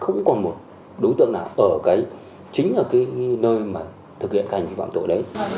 không còn một đối tượng nào ở chính là cái nơi mà thực hiện hành vi phạm tội đấy